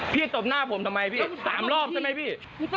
ตบหน้าผมทำไมพี่๓รอบใช่ไหมพี่